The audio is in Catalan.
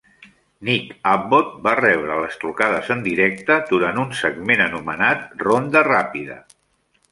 Nick Abbot va rebre les trucades en directe durant un segment anomenat "Ronda ràpida".